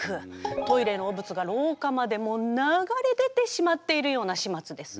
トイレの汚物が廊下まで流れ出てしまっているようなしまつです。